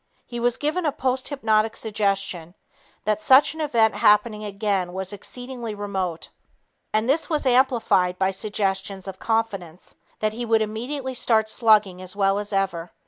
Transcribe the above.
He was given a posthypnotic suggestion that such an event happening again was exceedingly remote, and this was amplified by suggestions of confidence that he would immediately start slugging as well as ever.